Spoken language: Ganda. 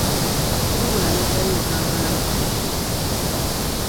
Yasiibula n'addayo e Kampala mu kazigo ke.